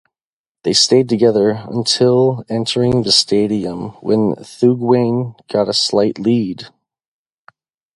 They stayed together until entering the stadium, when Thugwane got a slight lead.